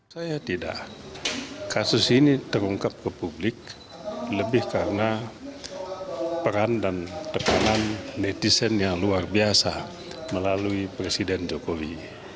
saya tidak kasus ini terungkap ke publik lebih karena peran dan tekanan netizen yang luar biasa melalui presiden jokowi